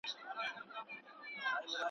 حیا مي ژبه ګونګۍ کړې ده څه نه وایمه.